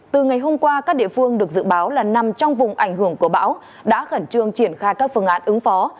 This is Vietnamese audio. từ ngày hôm qua các địa phương được dự báo là nằm trong vùng ảnh hưởng của bão đã khẩn trương triển khai các phương án ứng phó